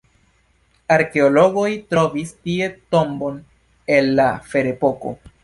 Arkeologoj trovis tie tombon el la ferepoko.